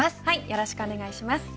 よろしくお願いします。